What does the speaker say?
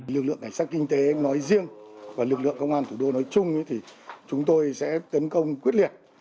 lực lượng cảnh sát kinh tế nói riêng và lực lượng công an thủ đô nói chung thì chúng tôi sẽ tấn công quyết liệt